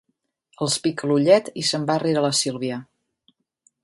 Els pica l'ullet i se'n va rere la Sílvia.